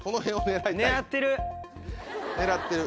狙ってる。